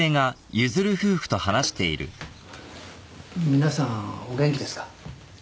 皆さんお元気ですか？